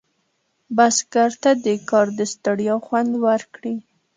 بزګر ته د کار د ستړیا خوند ورکړي